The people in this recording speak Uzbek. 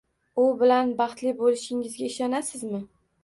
U bilan baxtli bo`lishingizga ishonasizmi